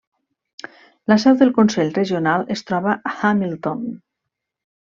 La seu del consell regional es troba a Hamilton.